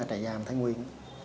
trại giam thái nguyên